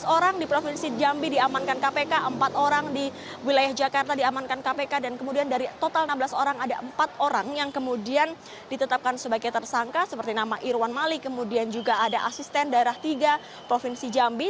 tujuh belas orang di provinsi jambi diamankan kpk empat orang di wilayah jakarta diamankan kpk dan kemudian dari total enam belas orang ada empat orang yang kemudian ditetapkan sebagai tersangka seperti nama irwan malik kemudian juga ada asisten daerah tiga provinsi jambi